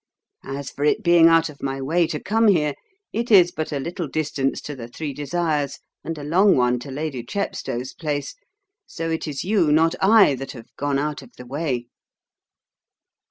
As for it being out of my way to come here, it is but a little distance to the Three Desires and a long one to Lady Chepstow's place, so it is you, not I, that have 'gone out of the way!'